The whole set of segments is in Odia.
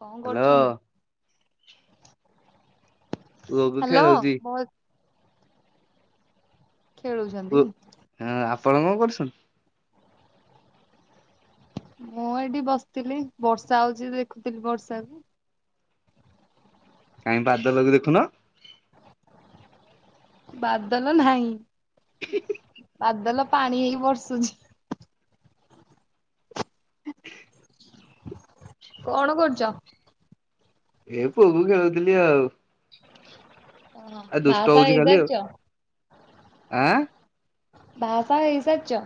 କଣ ହ୍ୟାଲୋ କରୁଛନ୍ତି? ପୁଅକୁ ହ୍ୟାଲୋ ଖେଳଉଚି। ବଲ୍ ଖେଳୁଛନ୍ତି। ପୁଅ ହଁ ଆପଣ କଣ କରୁଛନ୍ତି? ମୁଁ ଏଇଠି ବସିଥିଲି ବର୍ଷା ହଉଛି ଦେଖୁଥିଲି ବର୍ଷା କୁ। କାଇଁ ବାଦଲ କୁ ଦେଖୁନ। ବାଦଲ ନାହିଁ। [unintelligible] ବାଦଲ ପାଣି ହେଇକି ବର୍ଷୁଛି। ହ କଣ କରୁଛ? ଏ ପୁଅକୁ ଖେଳଉଥିଲି ଆଉ। ଆଉ ଦୁଷ୍ଟ ବାହା ଫାହା ହଉଛି ଖାଲି ଆଉ ହେଇସାରିଚ? ଆଁ ବାହା ଫାହା ହେଇସାରିଛ?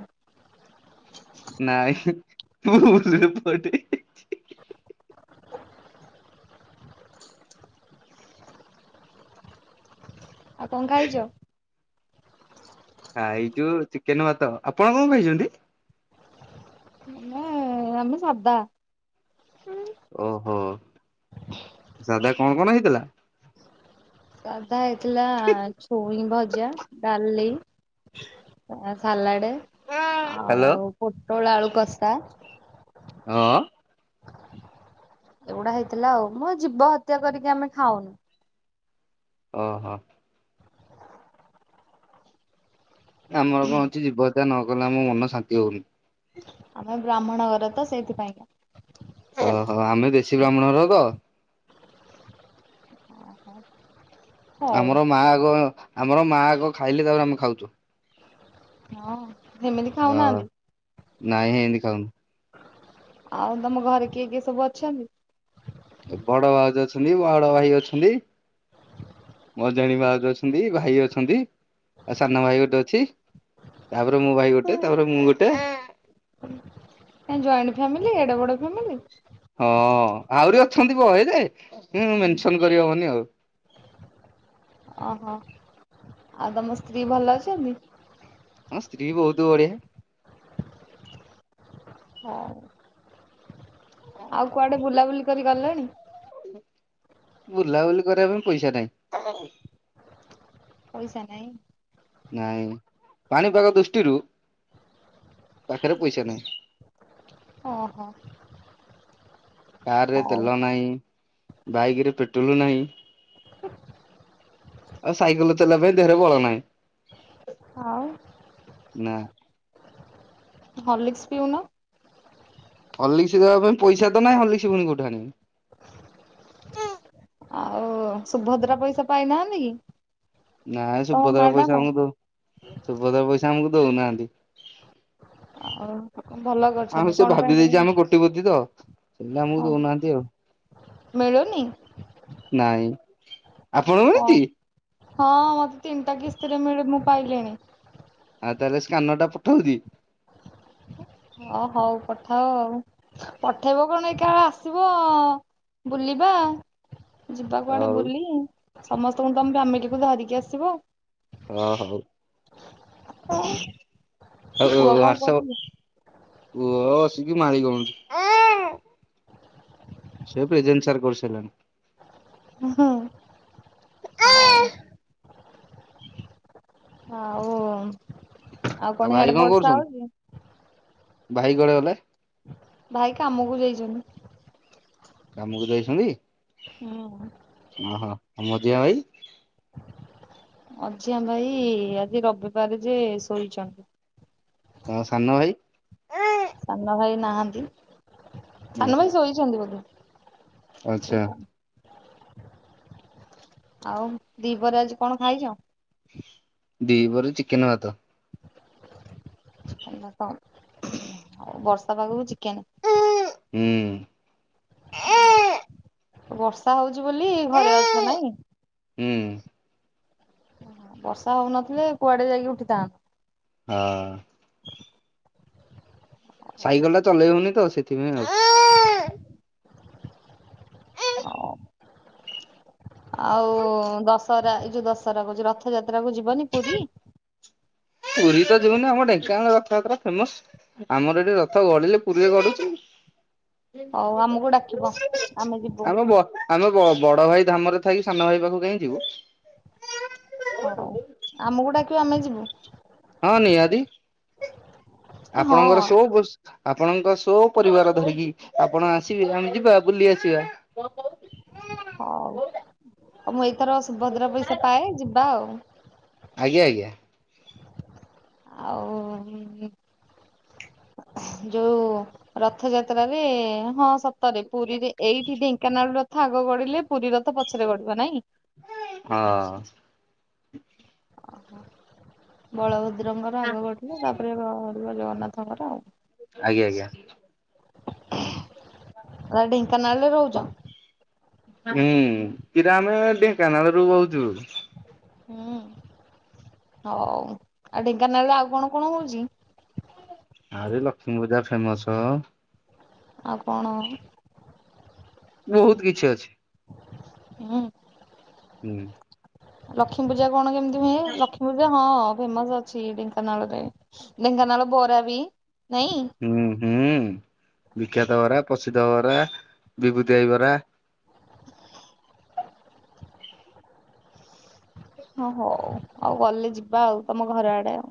ନାଇଁ ଭୁଲ୍ ରେ ପୁଅଟେ ଆଉ କଣ ଖାଇଚ? ଖାଇଛୁ ଚିକେନ ଭାତ। ଆପଣ କଣ ଖାଇଛନ୍ତି? ମୁଁ ଆମେ ସାଧା। ଓହୋ। ସାଧା କଣ କଣ ହେଇଥିଲା? ସାଧା ହେଇଥିଲା ଛୁଇଁ ଭଜା ଡାଲି ତା ସଲାଡେ ହ୍ୟାଲୋ ଆଉ ପୋଟୋଳ ଆଳୁ କଷା ହଁ ଏଗୁଡା ହେଇଥିଲା ଆଉ ମୋ ଜୀବ ହତ୍ୟା କରିକି ଆମେ ଖାଉନୁ। ଓହୋ। ଆମର କଣ ଅଛି ଜୀବ ହତ୍ୟା ନ କଲେ ଆମ ମନ ଶାନ୍ତି ହଉନି। ଆମେ ବ୍ରାହ୍ମଣ ଘରେ ତ ସେଇଥିପାଇଁକା। ଓହୋ ଆମେ ଦେଶୀ ବ୍ରାହ୍ମଣଘର ତ। ହଁ ଆମର ମାଆ ଆଗ ଆମର ମାଆ ଆଗ ଖାଇଲେ ତାପରେ ଆମେ ଖାଉଛୁ ହଁ ସେମିତି ଅ ନାଇଁ ଖାଉନାହାନ୍ତି ଏମିତି ଖାଉନୁ ଆଉ ତମ ଘରେ କିଏ କିଏ ସବୁ ଅଛନ୍ତି? ବଡ ଭାଉଜ ଅଛନ୍ତି ବଡ ଭାଇ ଅଛନ୍ତି। ମଝିଆଣୀ ଭାଉଜ ଅଛନ୍ତି ଭାଇ ଅଛନ୍ତି ଆଉ ସାନ ଭାଇ ଗୋଟେ ଅଛି। ତାପରେ ମୋ ଭାଇ ଗୋଟେ ତାପରେ ମୁଁ ଗୋଟେ। ଜଏଣ୍ଟ ଫ୍ୟାମିଲି ଏଡେ ବଡ଼ ଫ୍ୟାମିଲି? ହଁ ଆହୁରି ଅଛନ୍ତି ବହେ ଯେ ମେନସନ କରିହବନି ଆଉ। ଓହୋ। ଆଉ ତମ ସ୍ତ୍ରୀ ଭଲ ଅଛନ୍ତି? ହଁ ସ୍ତ୍ରୀ ବି ବହୁତ ବଢିଆ। ହଁ। ଆଉ କୁଆଡେ ବୁଲାବୁଲି କରି ଗଲେଣି? ବୁଲାବୁଲି କରିବା ପାଇଁ ପଇସା ନାହିଁ। ପଇସା ନାଇ? ନାଇଁ, ପାଣିପାଗ ଦୃଷ୍ଟିରୁ ପାଖରେ ପଇସା ନାହିଁ। ଓହୋ। କାରରେ ହଉ ତେଲ ନାହିଁ ବାଇକ ରେ ପେଟ୍ରୋଲ ନାହିଁ ଆଉ ସାଇକେଲ ଚଲେଇିବା ପାଇଁ ଦେହରେ ବଳ ନାହିଁ। ଆଉ ନା ହର୍ଲିକ୍ସ ପିଉନ। ହର୍ଲିକ୍ସ୍ ଦେବା ପାଇଁ ପଇସାତ ନାହିଁ ହର୍ଲିକ୍ସ ପୁଣି କଉଠୁ ଆଣିବି। ଆଉ ସୁଭଦ୍ରା ପଇସା ପାଇନାହାନ୍ତି କି? ନାଇ ତମ ସୁଭଦ୍ରା ପଇସା ମ୍ୟାଡାମ? ଆମକୁ ଦଉ ସୁଭଦ୍ରା ପଇସା ଆମକୁ ଦଉନାହାନ୍ତି। ଆଉ ଭଲ କରିଛନ୍ତି ଆଉ ସେ କଣ ପାଇଁ ଭାବି ଦେଇେଇଛି ଦେଲେନି? ଆମେ କୋଟିପତିତ ସେ ଆମକୁ ହଁ ଦଉନାହାନ୍ତି ଆଉ। ମିଳୁନି? ନାଇଁ, ଆପଣଙ୍କୁ ହଁ ମିଳିଛି? ହଁ ମତେ ତିନିଟା କିସ୍ତିରେ ମିଳେ ମୁଁ ପାଇଲିଣି। ଆଉ ତାହେଲେ ସ୍କାନର ଟା ପଠାଉଛିି? ହ ହଉ ପଠାଅ ଆଉ। ପଠେଇବ କଣ ଅପେକ୍ଷା ଆସିବ, ବୁଲିବା। ଯିବା କୁଆଡେ ହଉ ବୁଲି ସମସ୍ତଙ୍କୁ ତମ ଫ୍ୟାମିଲକୁ ଧରିକି ଆସିବ। ଅ ହଉ। ଏହା ପୁଅ ଯଉଁ କଣ ୱାଟ୍ସପ କରୁଛି? ପୁଅ ଆସିକି ମାରି ଦେଉଛି। ସେ ପ୍ରେଜେନ୍ ସାର୍ କରି ସାରିଲାଣି। ହୁଁ ହ ହଉ। ଆଉ ହୁଁ ଆଉ ଭାଇ କଣ କରୁଛନ, ଭାଇ କୁଆଡେ ଗଲେ? ଭାଇ କାମକୁ ଯାଇଛନ୍ତି। କାମକୁ ଯାଇଛନ୍ତି ହୁଁ। ଓହୋ, ଆଉ ମଝିଆ ଭାଇ? ମଝିଆ ଭାଇ ଆଜି ରବିବାର ଯେ ଶୋଇଛନ୍ତି। ତୁମ ସାନ ଭାଇ? ସାନ ଭାଇ ନାହାନ୍ତି, ହୁଁ ସାନ ହୁଁ ଭାଇ ଶୋଇଛନ୍ତି ବୋଧେ। ଆଚ୍ଛା ସୋଇଛନ୍, ଆଉ ଦିପରେ ଆଜି କ'ଣ ଖାଇଛ? ଦି ପହରେ ଚିକେନ ଭାତ। ଆଉ ବର୍ଷା ପାଗକୁ ଚିକେନ। ହୁଁ। ବର୍ଷା ହଉଛି ବୋଲି ଘରେ ଅଛ ନାଇଁ? ହୁଁ ବର୍ଷା ହଉନଥିଲେ କୁଆଡେ ଯାଇକି ଉଠିଥାନ୍ତ। ହଁ ସାଇକେଲ ଟା ନେଇ ହଉନି ତ ସେଥିପାଇଁ ଆଉ। ହଉ ଆଉ ଦଶହରା ଏଇ ଯୋଉ ଦଶହରା କହୁଛି, ରଥ ଯାତ୍ରା କୁ ଯିବନି ପୁରୀ? ପୁରୀ ତ ଯିବୁନି, ଆମ ଢେଙ୍କାନାଳ ରଥଯାତ୍ରା ଫେମସ। ଆମର ଏଠି ରଥ ଗଡିଲେ ପୁରୀରେ ଗଡୁଛି। ହଉ ଆମକୁ ଡାକିବ ଆମେ ଯିବୁ ଆମ ବଡ଼ ଆମେ ବ ବଡ ଭାଇ ଧାମରେ ଥାଇ ସାନଭାଇ ପାଖକୁ କାହିଁ ଯିବୁ। ହଉ, ଆମକୁ ଡାକିବ ଆମେ ଯିବୁ। ହଁ ନିହାତି, ହଁ ଆପଣଙ୍କର ହଉ ସହ ପ ଆପଣଙ୍କ ସହ ପରିବାର ଧରିକି ଆପଣ ଆସିବେ ଆମେ ଯିବା ବୁଲି ଆସିବା। ହଉ, ମୁଁ ଏଇଥର ସୁଭଦ୍ରା ପଇସା ପାଏ ଯିବା ଆଉ। ଆଜ୍ଞା ଆଜ୍ଞା। ଆଉ ଯୋଉ ରଥଯାତ୍ରାରେ ହଁ ସତରେ ପୁରୀରେ ଏଇଠି ଢେଙ୍କାନାଳର ରଥ ଆଗ ଗଡିଲେ। ପୁରୀ ରଥ ପଛରେ ଗଡିବ ନାଇଁ। ହଁ, ବଳଭଦ୍ରଙ୍କର ଆଗ ଗଡିବ, ତାପରେ ପ୍ରଭୁ ଜଗନ୍ନାଥଙ୍କର। ଆଜ୍ଞା ଆଜ୍ଞା। ଆ ଢେଙ୍କାନାଳରେ ରହୁଛ ହଁ ହୁଁ, ଫିର ଆମେ ଢେଙ୍କାନାଳରୁୁ ବହୁତ ଦୂର। ହୁଁ, ହଉ। ଆଉ ଢେଙ୍କାନାଳରେ ଆଉ କଣ କଣ ହଉଛି? ଆର ୟେ ଲକ୍ଷ୍ମୀ ପୂଜା ଫେମସ। ଆଉ କଣ? ବହୁତ କିଛି ଅଛି। ହୁଁ। ହୁଁ। ଲକ୍ଷ୍ମୀ ପୂଜା କଣ କେମିତି ହୁଏ ଲକ୍ଷ୍ମୀ ହଁ ଫେମସ ଅଛି ଢେଙ୍କାନାଳ ରେ ଢେଙ୍କାନାଳ ବରା ବି ନାଇଁ। ହୁଁ ହୁଁ ବିଖ୍ୟାତ ବରା ପ୍ରସିଦ୍ଧ ହବରା ବିଭୂତିଆଇବରା। ହ ହଉ ଆଉ ଗଲେ ଯିବା ଆଉ ତମ ଘର ଆଡେ ଆଉ।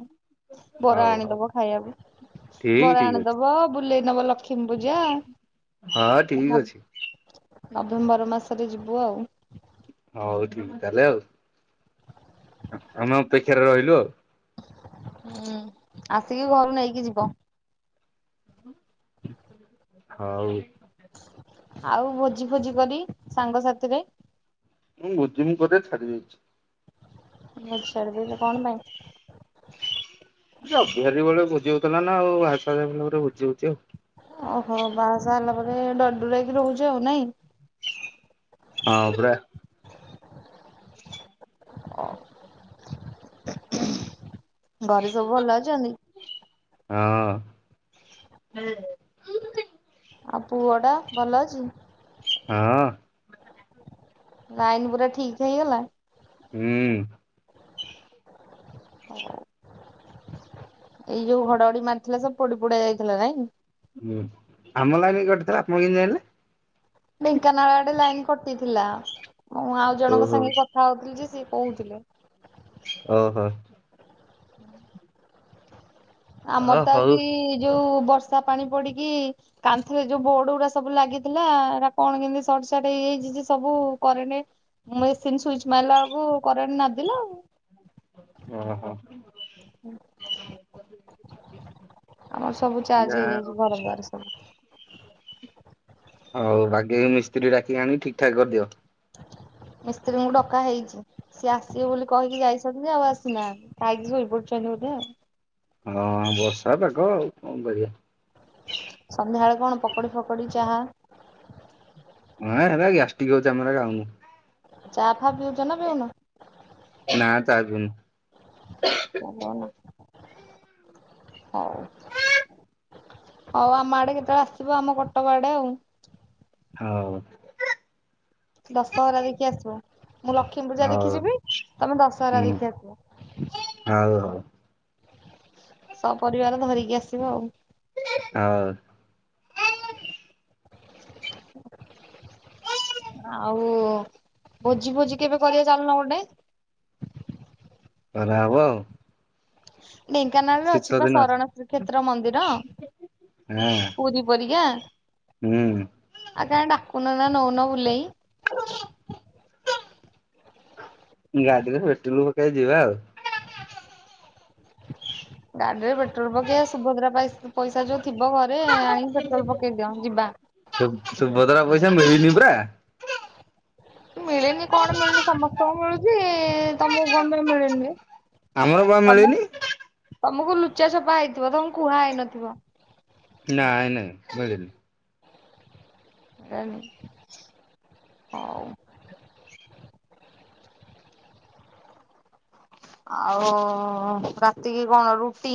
ବରା ହଉ ହଉ ଆଣିଦବ ଖାଇବାକୁ ଠିକ ବରା ଠିକ ଅଛି ଆଣିଦବ ବୁଲେଇ ନବ ଲକ୍ଷ କିମ୍ବୁଜା ହଁ ଠିକ ଅଛି ନଭେମ୍ବର ମାସରେ ଯିବୁ ଆଉ। ହଉ ଠିକ୍ ତାହେଲେ ଆଉ। ଆମେ ଅପେକ୍ଷାରେ ରହିଲୁ ଆଉ। ହୁଁ ଆସିକି ଘରୁ ନେଇକି ଯିବ। ହଉ। ଆଉ ଭୋଜି ଭୋଜି କରି ସାଙ୍ଗସାଥିରେ ମୁଁ ମୋଜିମ କରି ଛାଡି ଦେଇେଇଚି। ଆଛା ଛାଡ଼ିଦେଲ କଣ ପାଇଁ? ଅବିହାରୀ ବେଳୁ ଭୋଜି ହୋଉଥିଲା ନା ଆଉ ବାହା ଶାହା [unintelligible] ଭୋଜି ହୋଉଚି ଆଉ। ଓହୋ ବାହା ସାହା ହେଲା ପରେ ଡରଡର ହେଇକି ରହୁଚ ଆଉ ନାଇଁ। ହଁ ପରା। ହଁ ଘରେ ସବୁ ଭଲ ଅଛନ୍ତି? ହଁ। ହୁଁ। ଆଉ ପୁଅ ଟା ଭଲ ଅଛି? ହଁ। ଲାଇନ ପୁରା ଠିକ ହେଇଗଲା? ହୁଁ। ଏଇ ଯୋଉ ଘଡଘଡି ମାରଥିଲା ସବ ପୋଡି ପୁଡ଼ା ଯାଇଥିଲା ନାଇଁ? ହୁଁ ଆମ ଲାଇନ କଟି ଥିଲା ଆପଣ କେମିତି ଜାଣିଲେ? ଢେଙ୍କାନାଳ ଆଡେ ଲାଇନ କଟିଥିଲା ମୁଁ ଆଉ ଜଣଙ୍କ ଓହୋ ସାଙ୍ଗେ କଥା ହୋଉଥିଲି ଯେ ସିଏ କୋହୁଥିଲେ। ଓହୋ। ଆମର ଓ ତ ହଉ ଆଜି ଯୋଉ ବର୍ଷା ପାଣି ପଡିକି କାନ୍ଥରେ ଯୋଉ ବୋଡ ଗୁଡା ସବୁ ଲାଗିଥିଲା ଏଟା କଣ କେମିତି ସଟ ସାଟ ହେଇଯାଇଚି ଯେ ସବୁ କରେନ ମେସିନ୍ ସୁଇଚ ମାରିଲା ବେଳକୁ କରେଣ୍ଟ ନଦିଲା ଆଉ। ଓ ହୋ। ଆମର ସବୁ ଚାର୍ଜ ଯାହା ହେଇଯାଇଚି ଘର ଦ୍ୱାର ସବୁ। ଆଉ ବାଗେଇ ମିସ୍ତ୍ରୀ ଡାକି ଆଣିକି ଠିକ୍ ଠାକ୍ କରିଦିଅ। ମିସ୍ତ୍ରୀ ଙ୍କୁ ଡକା ହେଇଚି। ସିଏ ଆସିବେ ବୋଲି କହିକି ଯାଇଛନ୍ତି ଯେ ଆଉ ଆସିନାହନ୍ତି ଖାଇକି ଶୋଇ ପଡିୁଛନ୍ତି ବୋଧେ ଆଉ। ହଁ ବର୍ଷା ପାଗ ଆଉ କଣ କରିବା। ସନ୍ଧ୍ୟା ବେଳେ କଣ ପକୋଡି ଫକଡି ଚାହା ହଁ ହେଲା ଗ୍ୟାଷ୍ଟିକ୍ ହୋଉଚି ଆମ ହେରାକ ଖାଉନୁ। ଚା ଫା ପିଉଚ ନା ପିଉନ? ନା ଚା ପିଉନୁ। ଭଲ ନା, ହୋ। ହୋଉ ଆମ ଆଡେ କେତେବେଳେ ଆସିବ ଆମ କଟକ ଆଡେ ଆଉ। ହଉ। ଦଶହରା ଦେଖି ଆସିବ, ମୁଁ ଲକ୍ଷ୍ମୀ ପୂଜା ହଉ ଦେଖି ଯିବି ତମେ ଦଶହରା ଦେଖି ଆସିବ। ହଁ ହଁ। ସ ପରିବାର ଧରିକି ଆସିବ ଆଉ। ହଉ। [inaudible] ଆଉ ଭୋଜି ଫୋଜି କେବେ କରିବା ଚାଲୁନ ଗୋଟେ। କରା ହବ ଆଉ। ଢେଙ୍କାନାଳରେ ଶୀତ ଅଛି ପା ଦିନ ଶରଣ ଶ୍ରୀକ୍ଷେତ୍ର ମନ୍ଦିର। ପୁରୀ ପରିକା ହୁଁ ହୁଁ। ଆଉ କାଇଁ ଡାକୁନ ନା ନଉନ ବୁଲେଇ? [unintelligible] ଗାଡିରେ ପେଟ୍ରଲୁ ପକେଇ ଯିବା ଆଉ। [inaudible] ଗାଡିରେ ପେଟ୍ରୋଲ ପକେଇବା ସୁଭଦ୍ରା ପଇସା ଯୋଉ ଥିବ ଘରେ ଆ ପେଟ୍ରୋଲ ପକେଇ ଦିଅ ଯିବା। ସୁଭଦ୍ରା ପଇସା ମିଳିନି ପରା। [inaudible] ମିଳିନି କଣ ମିଳୁନି ସମସ୍ତଙ୍କୁ ମିଳୁଚି। ତମକୁ କଣ ପାଇଁ ମିଳିନି? ଆମର ପା ମିଳିନି। ତମକୁ ଲୁଚା ଛପା ହେଇଥିବ। ତମକୁ କୁହା ହେଇନଥିବ। ନାଇଁ ନାଇଁ ମିଳିନି। [unintelligible] ହଉ। ଆଉ ରାତିକି କଣ ରୁଟି?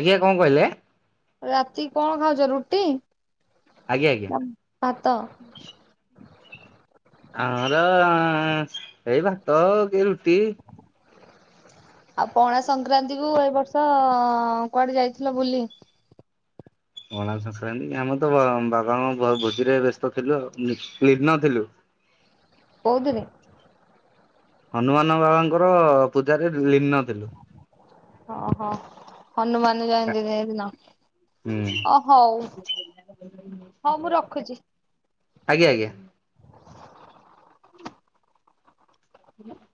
ଆଜ୍ଞା କଣ କହିଲେ? ରାତି କଣ ଖାଉଚ ରୁଟି ଆଜ୍ଞା ଆଜ୍ଞା। ନା ଭାତ? ଆମର ଏଇ ଭାତ ହଉ କି ରୁଟି। [inaudible] ଆଉ ପଣା ସଂକ୍ରାନ୍ତି କୁ ଏ ବର୍ଷ କୁଆଡେ ଯାଇଥିଲ ବୁଲି? ପଣା ସଂକ୍ରାନ୍ତି ଆମେ ତ [unintelligible] ଭୋଜିରେ ବ୍ୟସ୍ତ ଥିଲୁ ଲୀନ ଥିଲୁ। କୋଉଥିରେ? ହନୁମାନ ବାବାଙ୍କର ପୂଜାରେ ଲୀନ ଥିଲୁ। ଓହୋ। ହନୁମାନ ଜୟନ୍ତୀ ସେଇ ଦିନ। ହୁଁ ଓ ହଉ। ହଉ ମୁଁ ରଖୁଚି। ଆଜ୍ଞା ଆଜ୍ଞା। [unintelligible]